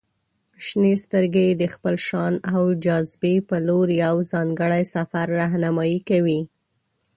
• شنې سترګې د خپل شان او جاذبې په لور یو ځانګړی سفر رهنمائي کوي.